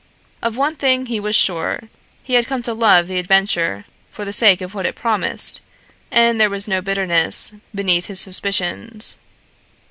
Of one thing he was sure: he had come to love the adventure for the sake of what it promised and there was no bitterness beneath his suspicions.